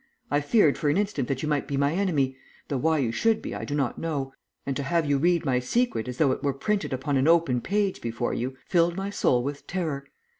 I feared for an instant that you might be my enemy, though why you should be I do not know, and to have you read my secret as though it were printed upon an open page before you, filled my soul with terror.